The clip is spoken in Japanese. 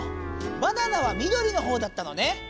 バナナはみどりのほうだったのね。